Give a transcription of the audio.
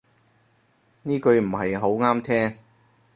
呢句唔係好啱聽